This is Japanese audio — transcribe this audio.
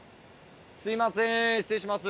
すみません失礼します。